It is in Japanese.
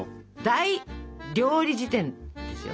「大料理事典」ですよ。